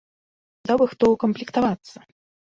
Даў бы хто ўкамплектавацца!